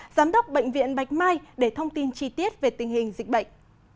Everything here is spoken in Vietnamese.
giám đốc bệnh viện bạch mai để thông tin chi tiết về tình hình dịch bệnh